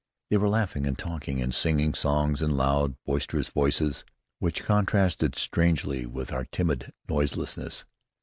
They were laughing and talking and singing songs in loud, boisterous voices which contrasted strangely with our timid noiselessness.